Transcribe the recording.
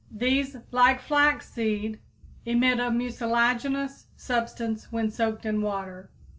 These, like flaxseed, emit a mucilaginous substance when soaked in water.